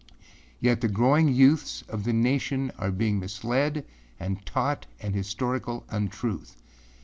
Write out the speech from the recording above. Yet the growing youths of the nation are being misled and taught an historical untruth.